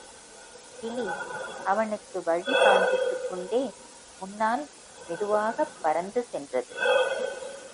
கிளி அவனுக்கு வழி காண்பித்துக்கொண்டே முன்னால் மெதுவாகப் பறந்து சென்றது.